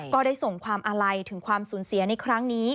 ก็ได้ส่งความอาลัยถึงความสูญเสียในครั้งนี้